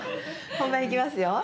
本番いきますよ